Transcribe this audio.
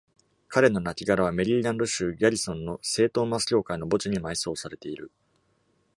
彼のなきがらはメリーランド州ギャリソンの聖トーマス教会の墓地に埋葬されている。